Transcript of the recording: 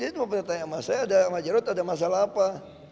saya kan dia cuma bertanya sama saya sama jarod ada masalah apa